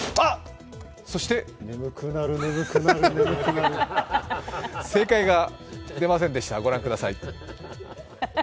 そして眠くなる、眠くなる、眠くなる正解が出ませんでしたご覧ください。